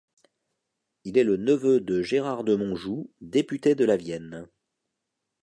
Il est le neveu de Gérard de Montjou, député de la Vienne.